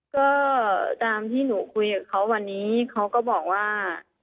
ก็ตามที่หนูคุยกับเขาวันนี้เขาก็บอกว่า